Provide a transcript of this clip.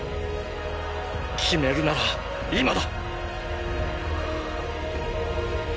決めるなら今だ！